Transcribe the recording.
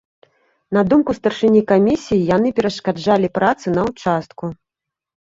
На думку старшыні камісіі, яны перашкаджалі працы на участку.